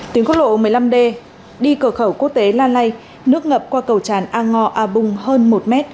tuyến quốc lộ một mươi năm d đi cửa khẩu quốc tế la lai nước ngập qua cầu tràn a ngo a bung hơn một m